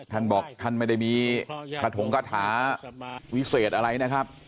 ท่านบอกท่านไม่ได้มีคาถงคาถาวิเศษอะไรนะครับ